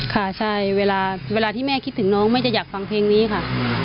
ค่ะใช่เวลาที่แม่คิดถึงน้องแม่จะอยากฟังเพลงนี้ค่ะ